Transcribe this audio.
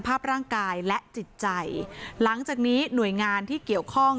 ภาพร่างกายและจิตใจหลังจากนี้หน่วยงานที่เกี่ยวข้อง